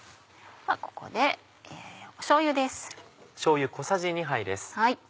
ここでしょうゆです。